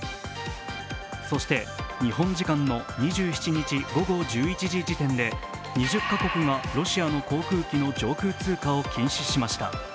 そして日本時間の２７日午後１１時時点で２０カ国がロシアの航空機の上空通過を禁止しました。